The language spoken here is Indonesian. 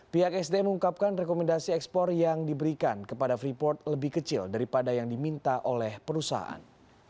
pihak sdm mengungkapkan rekomendasi ekspor yang diberikan kepada freeport lebih kecil daripada yang diminta oleh perusahaan